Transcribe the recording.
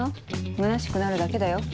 むなしくなるだけだよ。